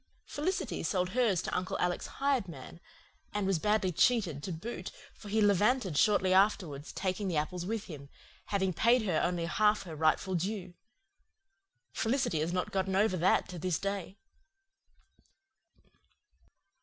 Felicity sold hers to Uncle Alec's hired man and was badly cheated to boot, for he levanted shortly afterwards, taking the apples with him, having paid her only half her rightful due. Felicity has not gotten over that to this day.